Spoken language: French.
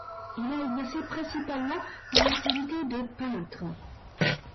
Il a exercé principalement une activité de peintre.